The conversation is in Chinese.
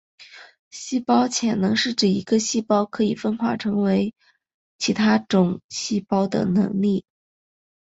细胞潜能是指一个细胞可以分化为其他种细胞的能力。